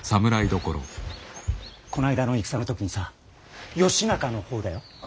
こないだの戦の時にさ義仲の方だよ。